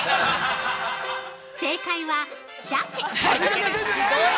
◆正解は鮭！